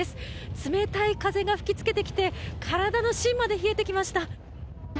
冷たい風が吹きつけてきて体の芯まで冷えてきました。